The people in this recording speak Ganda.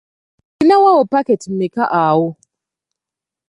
Olinawo paketi mmeka awo?